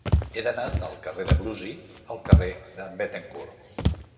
He d'anar del carrer de Brusi al carrer de Béthencourt.